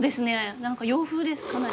何か洋風ですかなり。